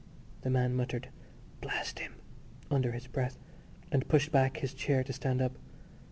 The man muttered "Blast him!" under his breath and pushed back his chair to stand up.